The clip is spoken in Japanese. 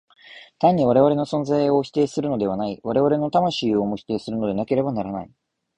単に我々の存在を否定するのではない、我々の魂をも否定するのでなければならない。